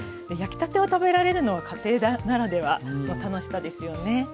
焼きたてを食べられるのは家庭ならではの楽しさですよね。